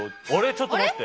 ちょっと待って。